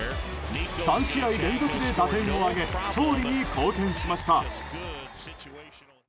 ３試合連続で打点を挙げ勝利に貢献しました。